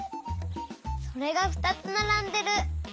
それがふたつならんでる。